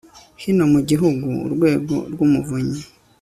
hino mu gihugu urwego rw umuvunyi